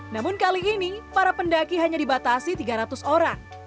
namun kali ini para pendaki hanya dibatasi tiga ratus orang